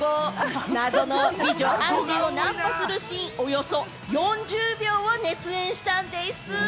謎の美女・アンジーをナンパするシーン、およそ４０秒を熱演したんでぃす。